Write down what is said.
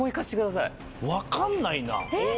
分かんないな？